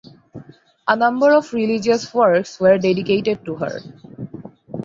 A number of religious works were dedicated to her.